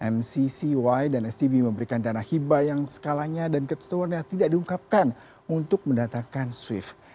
mcci dan stb memberikan dana hibah yang skalanya dan ketentuannya tidak diungkapkan untuk mendatangkan swift